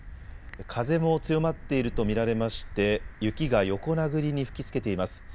風も強まっていると見られまして、雪が横殴りに吹きつけています。